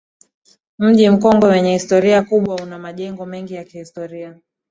Mji Mkongwe wenye historia kubwa una majengo mengi ya kihistoria